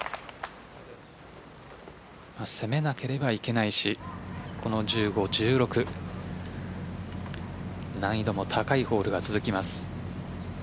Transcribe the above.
攻めなければいけないし１５、１６難易度の高いホールが続きます。